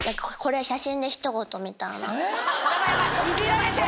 いじられてる。